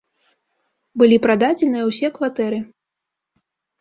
Былі прададзеныя ўсе кватэры.